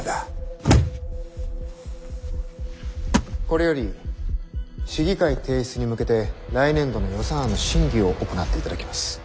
これより市議会提出に向けて来年度の予算案の審議を行っていただきます。